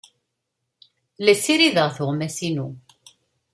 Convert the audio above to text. La ssirideɣ tuɣmas-inu.